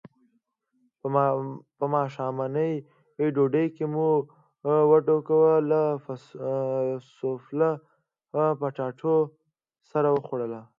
په ماښامنۍ ډوډۍ کې مو وډکوک له سوفله پټاټو سره وخوړل.